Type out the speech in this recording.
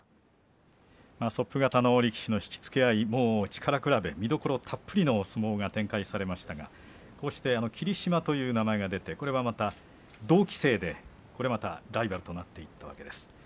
そっぷ型の力士の引き付け合い、力比べ見どころたっぷりの相撲が展開されましたがこうして霧島という名前が出てこれがまた同期生でこれまたいいライバルとなっていくわけです。